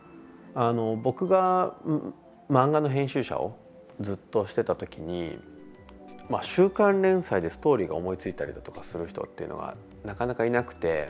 僕が漫画の編集者をずっとしてた時に週刊連載でストーリーが思いついたりだとかする人っていうのがなかなか、いなくて。